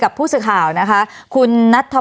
วันนี้แม่ช่วยเงินมากกว่า